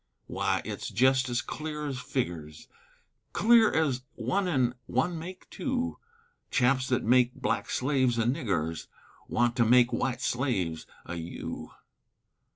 Wy, it's jest ez clear es figgers, Clear ez one an' one make two, Chaps thet make black slaves o' niggers Want to make wite slaves o' you.